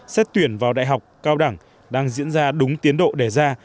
xét tuyển vào đại học cao đẳng đang diễn ra đúng tiến độ đề ra